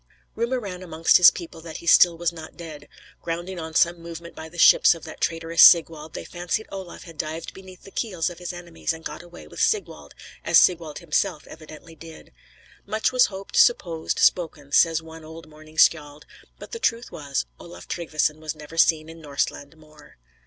Rumor ran among his people that he still was not dead; grounding on some movement by the ships of that traitorous Sigwald, they fancied Olaf had dived beneath the keels of his enemies, and got away with Sigwald, as Sigwald himself evidently did. "Much was hoped, supposed, spoken," says one old mourning Skald; "but the truth was, Olaf Tryggveson was never seen in Norseland more."